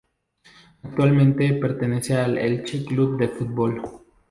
Actualmente pertenece al Elche Club de Fútbol.